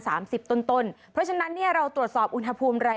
ฮัลโหลฮัลโหลฮัลโหลฮัลโหล